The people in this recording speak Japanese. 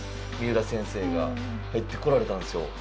三浦先生が入ってこられたんですよ。